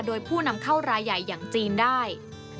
โดยผู้นำเข้ารายใหญ่อย่างจีนได้